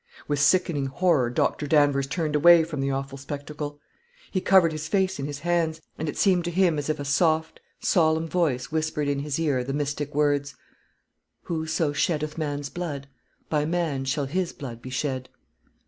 With sickening horror Doctor Danvers turned away from the awful spectacle. He covered his face in his hands, and it seemed to him as if a soft, solemn voice whispered in his ear the mystic words, "Whoso sheddeth man's blood, by man shall his blood be shed."